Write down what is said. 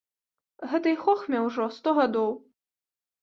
Гэтай хохме ўжо сто гадоў.